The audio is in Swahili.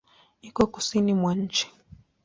Iko kusini mwa nchi.